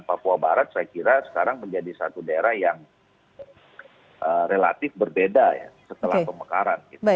papua barat saya kira sekarang menjadi satu daerah yang relatif berbeda ya setelah pemekaran